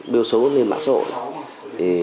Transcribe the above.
đeo xấu lên mạng xã hội